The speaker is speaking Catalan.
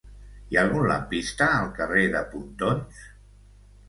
Hi ha algun lampista al carrer de Pontons?